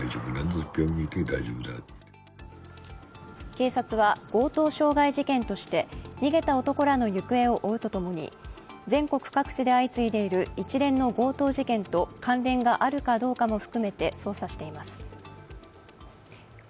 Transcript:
警察は強盗傷害事件として逃げた男らの行方を追うとともに全国各地で相次いでいる一連の強盗事件と関連があるかどうかも含めて捜査しています。